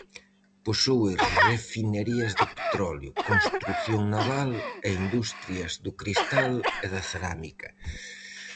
Posúe refinerías de petróleo, construción naval e industrias do cristal e da cerámica.